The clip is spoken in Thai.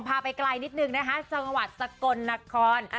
ไปไกลนิดนึงนะคะจังหวัดสกลนคร